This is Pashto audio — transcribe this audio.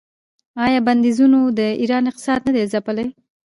آیا بندیزونو د ایران اقتصاد نه دی ځپلی؟